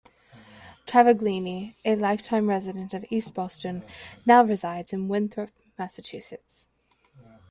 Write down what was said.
Travaglini a lifetime resident of East Boston, now resides in Winthrop, Massachusetts.